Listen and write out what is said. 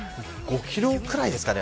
５キロくらいですか。